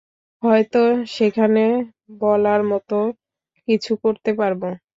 হয়তো সেখানে বলার মতো কিছু করতে পারব।